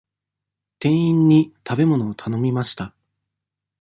店員に食べ物を頼みました。